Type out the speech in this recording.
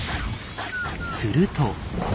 すると。